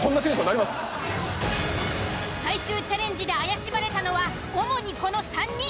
最終チャレンジで怪しまれたのは主にこの３人。